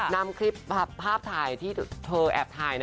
นำคลิปภาพถ่ายที่เธอแอบถ่าย